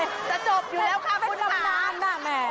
ก็จะกายจบมาเลย